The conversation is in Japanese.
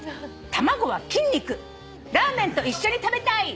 卵は筋肉」「ラーメンと一緒に食べたい！」